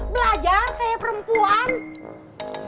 belajar kayak perempuan